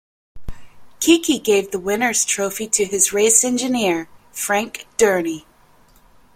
Keke gave the winners trophy to his race engineer, Frank Dernie.